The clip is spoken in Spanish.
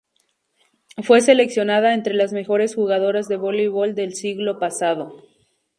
Fue seleccionada entre las mejores jugadoras de voleibol del siglo pasado.